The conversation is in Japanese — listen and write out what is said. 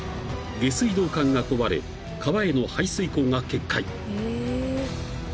［下水道管が壊れ川への排水溝が決壊］